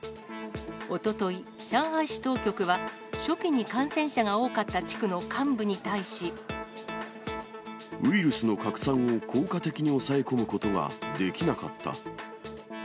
おととい、上海市当局は、初期に感染者が多かった地区の幹部に対し。ウイルスの拡散を効果的に抑え込むことができなかった。